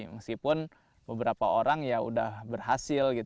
meskipun beberapa orang ya sudah berhasil